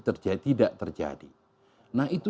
tidak terjadi nah itu